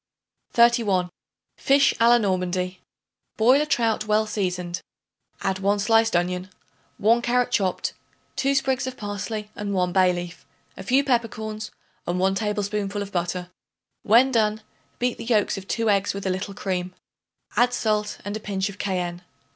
31. Fish a la Normandie. Boil a trout well seasoned; add 1 sliced onion, 1 carrot chopped, 2 sprigs of parsley and 1 bay leaf, a few peppercorns and 1 tablespoonful of butter. When done, beat the yolks of 2 eggs with a little cream; add salt and a pinch of cayenne.